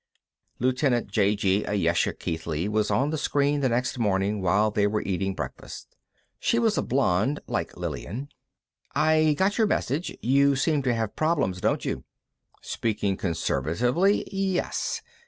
Lieutenant j.g. Ayesha Keithley was on the screen the next morning while they were eating breakfast. She was a blonde, like Lillian. "I got your message; you seem to have problems, don't you?" "Speaking conservatively, yes.